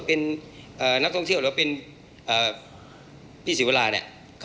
มีการที่จะพยายามติดศิลป์บ่นเจ้าพระงานนะครับ